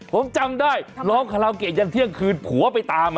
ผมจำได้ร้องคาราโอเกะยันเที่ยงคืนผัวไปตาม